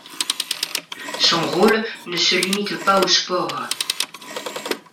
Son rôle ne se limite pas au sport.